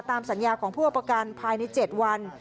ตามสัญญาของผู้เอาประกันภายใน๗วัน